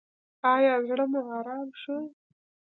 ایا زړه مو ارام شو؟